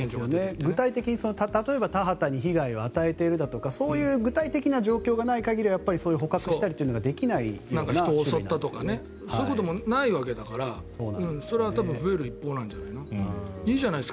具体的に、例えば田畑に被害を与えているとかそういう具体的な状況がない限りは人を襲ったとかそういうこともないわけだからそれは増える一方なんじゃないの。